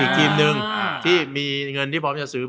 ทีมหนึ่งที่มีเงินที่พร้อมจะซื้อ